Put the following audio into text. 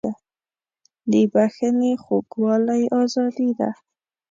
د بښنې خوږوالی ازادي ده.